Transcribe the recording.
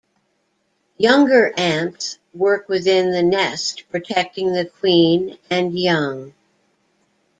Younger ants work within the nest protecting the queen and young.